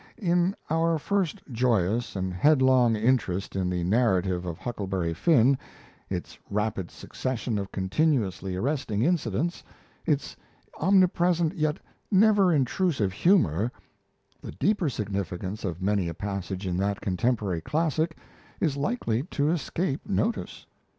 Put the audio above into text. In our first joyous and headlong interest in the narrative of 'Huckleberry Finn', its rapid succession of continuously arresting incidents, its omnipresent yet never intrusive humour, the deeper significance of many a passage in that contemporary classic is likely to escape notice.